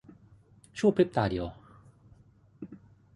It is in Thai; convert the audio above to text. ชั่วพริบตาเดียว